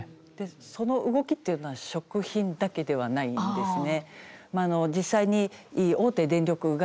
その動きっていうのは食品だけではないんですね。